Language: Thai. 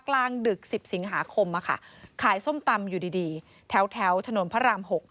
กลางดึก๑๐สิงหาคมขายส้มตำอยู่ดีแถวถนนพระราม๖